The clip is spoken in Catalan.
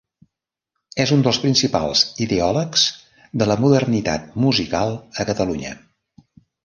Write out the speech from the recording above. És un dels principals ideòlegs de la modernitat musical a Catalunya.